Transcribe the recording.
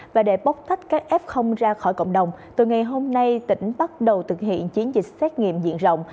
và để bốc thách các f ra khỏi cộng đồng từ ngày hôm nay tỉnh bắt đầu thực hiện chiến dịch xét nghiệm diện rộng